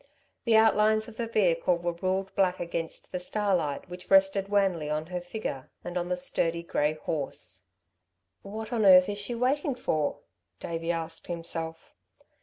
The outlines of the vehicle were ruled black against the starlight which rested wanly on her figure and on the sturdy, grey horse. "What on earth is she waiting for?" Davey asked himself.